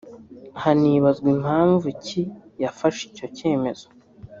hanibazwa mpamvu ki yafashe icyo cyemezo